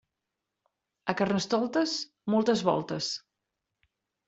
A Carnestoltes, moltes voltes.